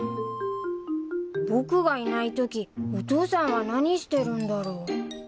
僕がいないときお父さんは何してるんだろう？